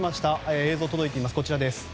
映像が届いています。